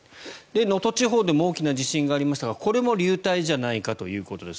能登地方でも大きな地震がありましたがこれも流体じゃないかということです。